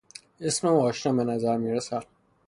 اسم او آشنا به نظر میرسد.